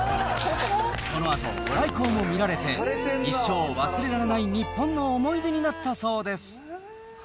この後、御来光も見られて、一生忘れられない日本の思い出になったそうです。